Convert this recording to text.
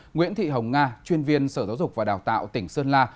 nguyễn thị hồng nga chuyên viên sở giáo dục và đào tạo tỉnh sơn la